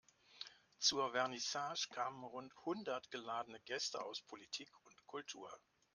Zur Vernissage kamen rund hundert geladene Gäste aus Politik und Kultur.